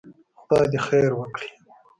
خدای دې خير وکړي.